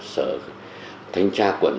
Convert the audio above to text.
sở thanh tra quận